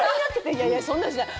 いやいや、そんなのしない。